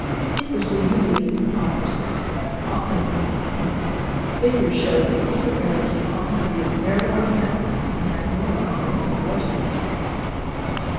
Secrecy usually means hypocrisy; often it means deceit. Figures show that secret marriages often produce marital unhappiness and an abnormal number of divorces.